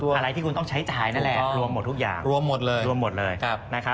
อ่านที่คุณต้องใช้จ่ายนั่นแหละรวมทุกอย่าง